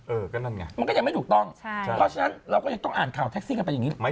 เออก็นั่นไงมันก็ยังไม่ถูกต้องใช่เพราะฉะนั้นเราก็ยังต้องอ่านข่าวแท็กซี่กันไปอย่างนี้